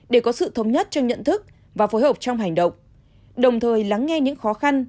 để có sự thống nhất trong nhận thức và phối hợp trong hành động đồng thời lắng nghe những khó khăn